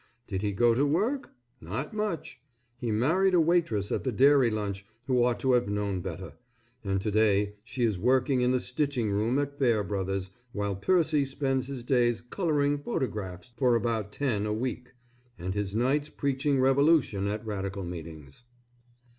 Did he go to work? Not much! He married a waitress at the Dairy Lunch who ought to have known better, and to day she is working in the stitching room at Fair Bros. while Percy spends his days coloring photographs for about ten a week, and his nights preaching revolution at radical meetings.